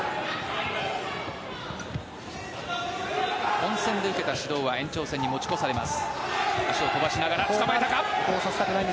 本戦で受けた指導は延長戦に持ち越されます。